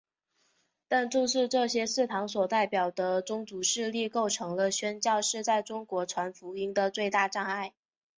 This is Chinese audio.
但正是这些祠堂所代表的宗族势力构成了宣教士在中国传福音的最大障碍。